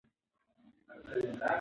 ارامه فضا ماشوم ته ښه خوب ورکوي.